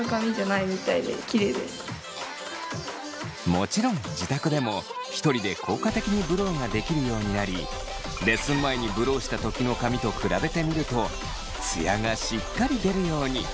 もちろん自宅でも１人で効果的にブローができるようになりレッスン前にブローした時の髪と比べてみるとツヤがしっかり出るように！